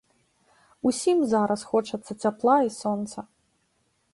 Усім зараз хочацца цяпла і сонца.